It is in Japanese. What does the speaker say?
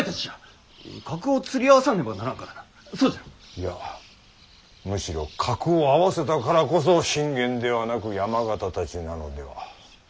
いやむしろ格を合わせたからこそ信玄ではなく山県たちなのでは。